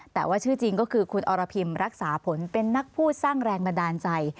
แต่ว่าชื่อจริงก็คือคุณอรพิมรักษาผลเป็นนักพูดสร้างแรงบันดาลใจ